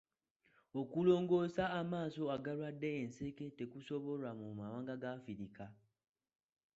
Okulongoosa amaaso agalwadde ensenke tekusobolwa mu mawanga ga Afirika.